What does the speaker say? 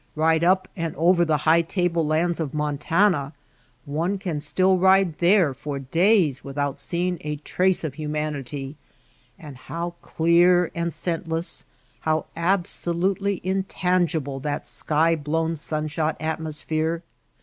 Eide up and over the high table lands of Montana — one can still ride there for days without seeing a trace of humanity — and how clear and scentless, how absolutely intangible that sky blown sun shot atmosphere